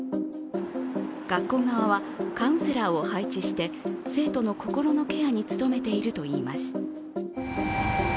学校側はカウンセラーを配置して生徒の心のケアに努めているといいます。